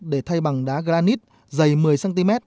để thay bằng đá granite dày một mươi cm